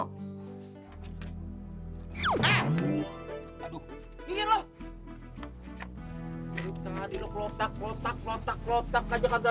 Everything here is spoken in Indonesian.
hidup tengah di lok lotak lotak aja kagak